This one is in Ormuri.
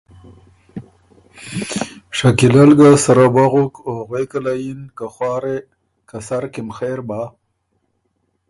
شکیلۀ ل ګه سره وغُک او غوېکه له یِن که ”خوارې !ـــ که سر کی م خېر بۀ